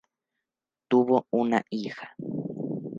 Tuvo una hija.